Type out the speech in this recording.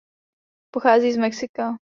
Pochází z Mexika.